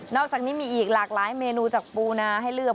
อกจากนี้มีอีกหลากหลายเมนูจากปูนาให้เลือก